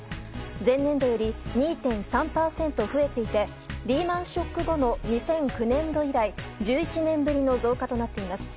前年度より２．３％増えていてリーマン・ショック後の２００９年度以来１１年ぶりの増加となっています。